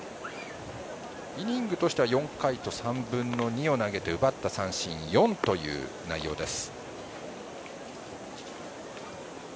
イニングとしては４回と３分の２を投げて奪った三振４という内容です。